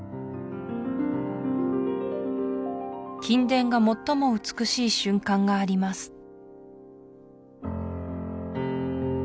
金殿が最も美しい瞬間があります